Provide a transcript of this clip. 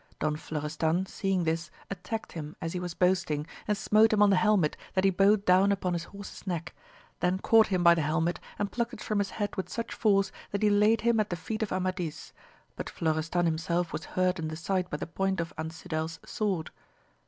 Don Florestan seeing this attacked him as he was boasting, and smote him on the helmet that he bowed down upon his horse's neck, then caught him by the helmet and plucked it from his head with such force that he laid him at the feet of Amadis, but Florestan himself was hurt in the side by the point of Ancidel's sword.